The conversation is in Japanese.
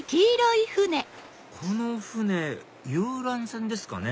この船遊覧船ですかね？